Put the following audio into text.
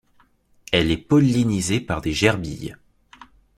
Elle est pollinisée par des gerbilles.